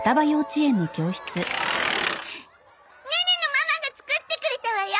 ネネのママが作ってくれたわよ。